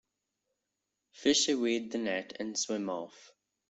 Fish evade the net and swim off.